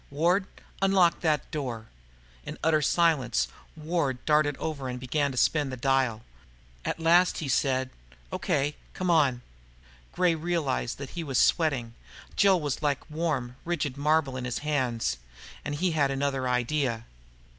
Ward, unlock that door." In utter silence, Ward darted over and began to spin the dial. At last he said, "Okay, c'mon." Gray realized that he was sweating. Jill was like warm, rigid marble in his hands. And he had another idea.